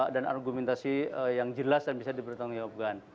dan argumentasi yang jelas dan bisa dipertanggungjawabkan